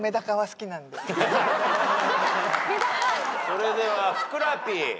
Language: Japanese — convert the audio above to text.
それではふくらＰ。